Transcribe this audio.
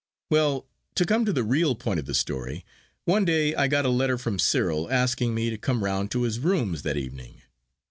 'Well, to come to the real point of the story, one day I got a letter from Cyril asking me to come round to his rooms that evening.